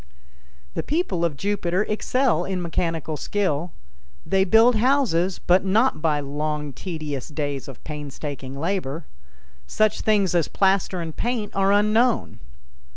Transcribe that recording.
The people of Jupiter excel in mechanical skill. They build houses, but not by long, tedious days of painstaking labor. Such things as plaster and paint are unknown.